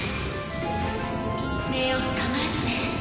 目を覚まして。